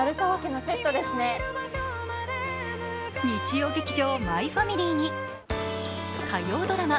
日曜劇場「マイファミリー」に火曜ドラマ